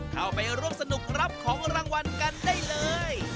เข้าไปร่วมสนุกรับของรางวัลกันได้เลย